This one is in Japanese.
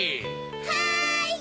はい！